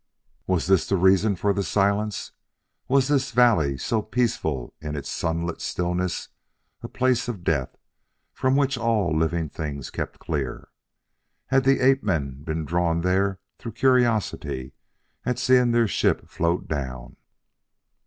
Was this the reason for the silence? Was this valley, so peaceful in its sunlit stillness, a place of death, from which all living things kept clear? Had the ape men been drawn there through curiosity at seeing their ship float down?